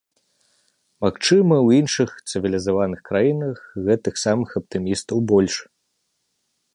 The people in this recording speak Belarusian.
Магчыма, у іншых, цывілізаваных краінах гэтых самых аптымістаў больш.